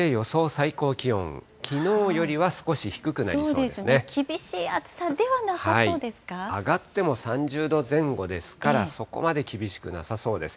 最高気温、きのうよりそうですね、厳しい暑さでは上がっても３０度前後ですから、そこまで厳しくなさそうです。